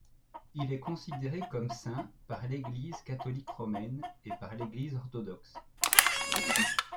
Il est considéré comme saint par l'Église catholique romaine et par l'Église orthodoxe.